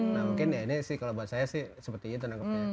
nah mungkin ya ini sih kalau buat saya sih seperti itu nangkepnya